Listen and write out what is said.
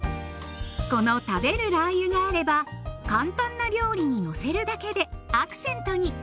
この食べるラー油があれば簡単な料理にのせるだけでアクセントに。